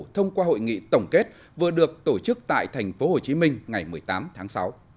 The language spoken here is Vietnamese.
thông qua hội nghị tổng kết vừa được tổ chức tại tp hcm ngày một mươi tám tháng sáu